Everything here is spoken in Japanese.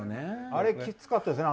あれきつかったですね。